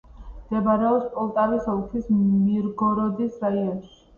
მდებარეობს პოლტავის ოლქის მირგოროდის რაიონში.